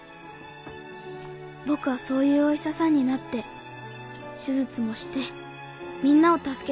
僕はそういうお医者さんになって手術もしてみんなを助けたい」